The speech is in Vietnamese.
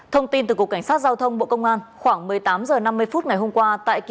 thông tin từ cục cảnh sát giao thông bộ công an khoảng một mươi tám h năm mươi phút ngày hôm qua tại kỳ